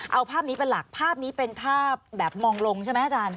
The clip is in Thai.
เอาภาพนี้เป็นหลักภาพนี้เป็นภาพแบบมองลงใช่ไหมอาจารย์